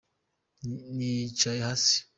nicaye hasi.